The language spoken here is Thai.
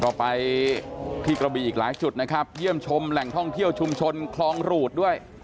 ก็ไปที่กระบีอีกหลายจุดนะครับเยี่ยมชมแหล่งท่องเที่ยวชุมชนคลองหรูดด้วย